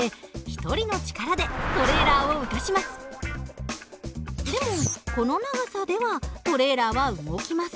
でもこの長さではトレーラーは動きません。